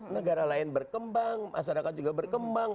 negara lain berkembang masyarakat juga berkembang